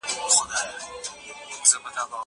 زه هره ورځ سبزیحات تياروم؟!